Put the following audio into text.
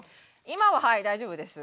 今ははい大丈夫です。